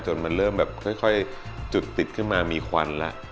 มันเริ่มแบบค่อยจุดติดขึ้นมามีควันแล้ว